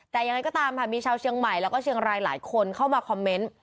แต่ยังไงก็ตามค่ะมีชาวเชียงใหม่แล้วก็เชียงรายหลายคนเข้ามาคอมเมนต์